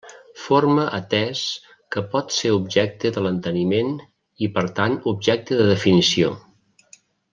Forma atès que pot ser objecte de l'enteniment i per tant objecte de definició.